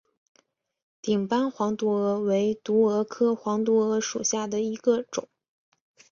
顶斑黄毒蛾为毒蛾科黄毒蛾属下的一个种。